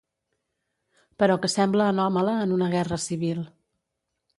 Però que sembla anòmala en una guerra civil.